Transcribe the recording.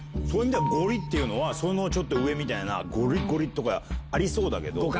ゴリっていうのはそのちょっと上みたいなゴリゴリとかありそうだけど。